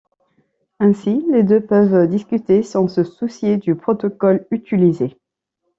Ainsi, les deux peuvent discuter sans se soucier du protocole utilisé.